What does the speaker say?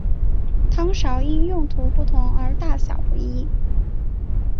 汤勺因用途不同而大小不一。